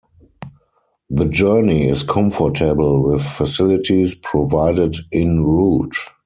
The journey is comfortable with facilities provided in route.